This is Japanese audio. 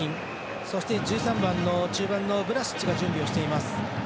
そして１３番の中盤のブラシッチが準備をしています。